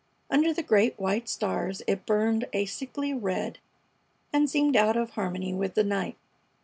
Under the great white stars it burned a sickly red and seemed out of harmony with the night.